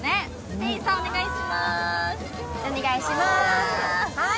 店員さん、お願いします。